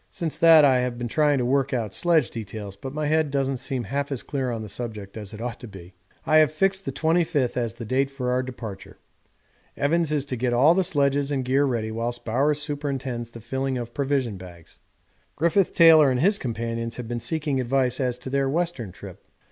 Since that I have been trying to work out sledge details, but my head doesn't seem half as clear on the subject as it ought to be. I have fixed the 25th as the date for our departure. Evans is to get all the sledges and gear ready whilst Bowers superintends the filling of provision bags. Griffith Taylor and his companions have been seeking advice as to their Western trip.